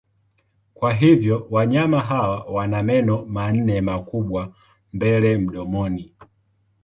Kwa hivyo wanyama hawa wana meno manne makubwa mbele mdomoni.